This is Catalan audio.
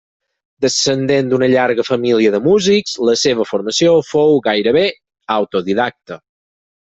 Descendent d'una llarga família de músics, la seva formació fou gairebé autodidacta.